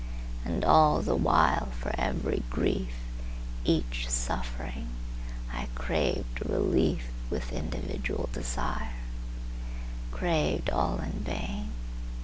And all the while for every grief, Each suffering, I craved reliefWith individual desire,—Craved all in vain!